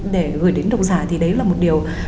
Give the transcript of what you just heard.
để gửi đến độc giả thì đấy là một điều